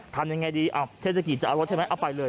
ทำยังไงดีเทศกิจจะเอารถใช่ไหมเอาไปเลย